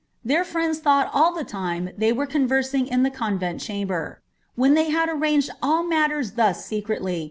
Their friends thought all the time they were conversing ^.ia Ihe convent chamber. When they had arranged all mailers ihw ^^anvily.